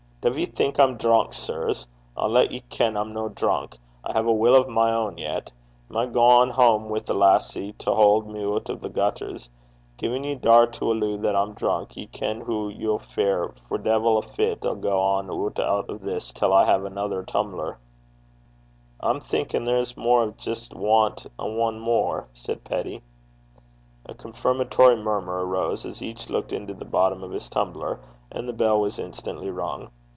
'Duv ye think I'm drunk, sirs? I'll lat ye ken I'm no drunk. I hae a wull o' mine ain yet. Am I to gang hame wi' a lassie to haud me oot o' the gutters? Gin ye daur to alloo that I'm drunk, ye ken hoo ye'll fare, for de'il a fit 'll I gang oot o' this till I hae anither tum'ler.' 'I'm thinkin' there's mair o' 's jist want ane mair,' said Peddie. A confirmatory murmur arose as each looked into the bottom of his tumbler, and the bell was instantly rung.